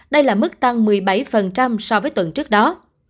đây là mức tăng một mươi bảy so với tuần trước đó